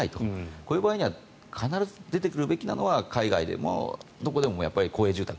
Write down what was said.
こういう場合には必ず出てくるべきなのは海外でも、どこでも公営住宅。